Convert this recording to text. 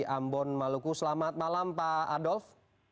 ambon maluku selamat malam pak adolf